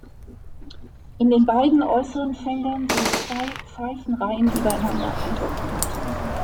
In den beiden äußeren Feldern sind zwei Pfeifenreihen übereinander angeordnet.